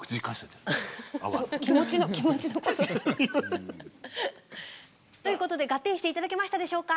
気持ちのことですか？ということでガッテンして頂けましたでしょうか？